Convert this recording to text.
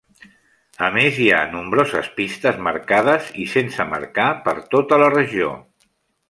A més, hi ha nombroses pistes marcades i sense marcar per tota la regió.